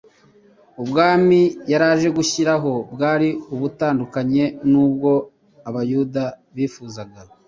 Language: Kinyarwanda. Ubwami yari aje gushyiraho bwari butandukanye n'ubwo Abayuda bifuzaga.